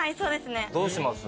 どうします？